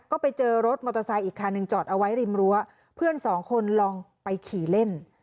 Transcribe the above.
ก็ไปเจอรถมอเตอร์ไซค์อีกคันหนึ่งจอดเอาไว้ริมรั้วเพื่อนสองคนลองไปขี่เล่น